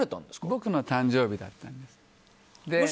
僕の誕生日だったんです。